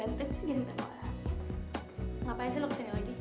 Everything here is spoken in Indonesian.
ngapain sih lo kesini lagi